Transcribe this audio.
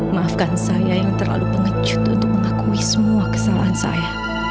maafkan saya yang terlalu pengejut untuk mengakui semua kesalahan saya